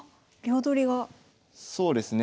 あっそうですね。